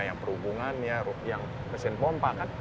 yang perhubungannya yang mesin pompa kan